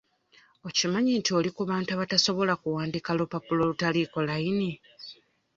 Okimanyi nti oli ku bantu abatasobola kuwandiika ku lupapula olutaliiko layini?